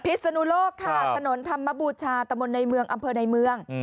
ศนุโลกค่ะถนนธรรมบูชาตะมนต์ในเมืองอำเภอในเมือง